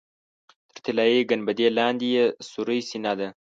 تر طلایي ګنبدې لاندې یې سورۍ سینه ده.